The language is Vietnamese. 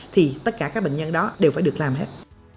thì tất cả các bệnh nhân đó đều phải được làm hết